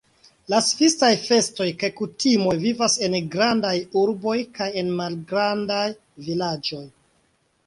La svisaj festoj kaj kutimoj vivas en grandaj urboj kaj en malgrandaj vilaĝoj.